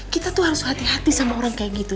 kita tuh harus hati hati sama orang kayak gitu